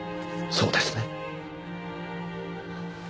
そうですね？